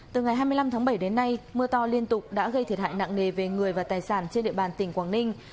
từ ngày hai mươi năm tháng bảy đến nay mưa to liên tục đã gây thiệt hại nặng nề về người và tài sản trên địa bàn tỉnh quảng ninh